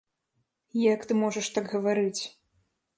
Як ты можаш так гаварыць!